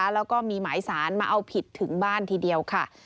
แล้วก็มีหมายสารมาเอาผิดถึงบ้านทีเดียวค่ะ